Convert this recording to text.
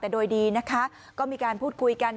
แต่โดยดีนะคะก็มีการพูดคุยกัน